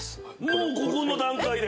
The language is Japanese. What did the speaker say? もうここの段階で。